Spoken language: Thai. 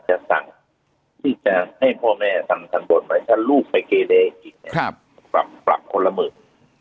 ที่จะให้พ่อแม่ทำสังบทหมายถึงลูกไปเกเดกปรับคนละหมื่น